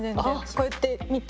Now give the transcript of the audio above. こうやって見て。